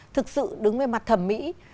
thực sự đứng về mặt thẩm mỹ